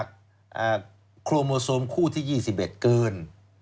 เกิดจากโครโมโซมคู่ที่๒๑เกิน